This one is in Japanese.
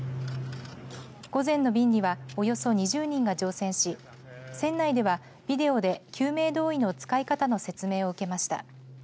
午前の便にはおよそ２０人が乗船し船内では、ビデオで救命胴衣の使い方の説明を受けました。